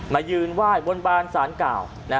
มายืนไหว้บนบานสารเก่า